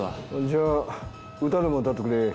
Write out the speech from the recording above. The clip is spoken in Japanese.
じゃあ歌でも歌ってくれ。